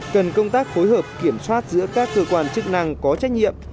cần công tác phối hợp kiểm soát giữa các cơ quan chức năng có trách nhiệm